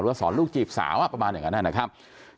สอนลูกจีบสาวประมาณอย่างนั้นนะครับ